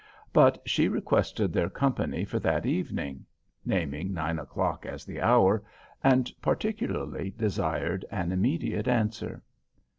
But she requested their company for that evening (naming nine o'clock as the hour), and particularly desired an immediate answer.